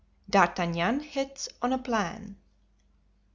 D'Artagnan hits on a Plan.